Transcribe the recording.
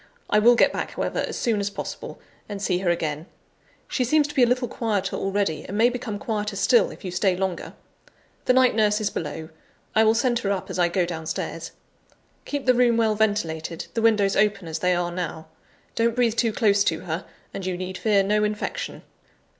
I will get back, however, as soon as possible, and see her again; she seems to be a little quieter already, and may become quieter still, if you stay longer. The night nurse is below I will send her up as I go downstairs. Keep the room well ventilated, the windows open as they are now. Don't breathe too close to her, and you need fear no infection.